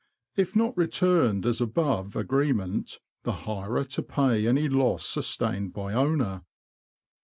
If not returned as above Agreement, the Hirer to pay any loss sustained by Owner.